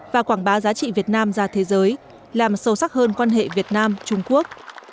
và quảng bá giá trị việt nam ra thế giới làm sâu sắc hơn quan hệ việt nam trung quốc